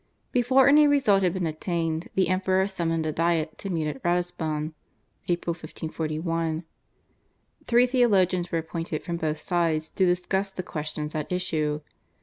Before any result had been attained the Emperor summoned a Diet to meet at Ratisbon (April 1541). Three theologians were appointed from both sides to discuss the questions at issue.